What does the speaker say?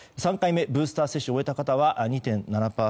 ３回目ブースター接種を終えた方は２．７％。